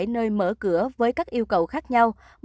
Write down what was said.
ba mươi bảy nơi mở cửa với các yêu cầu khác nhau